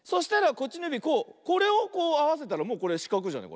これをこうあわせたらもうこれしかくじゃない？